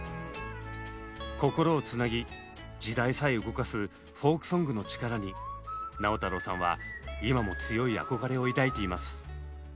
心をつなぎ時代さえ動かすフォークソングの力に直太朗さんは今も強い憧れを抱いています。